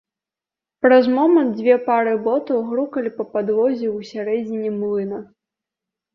Праз момант дзве пары ботаў грукалі па падлозе ў сярэдзіне млына.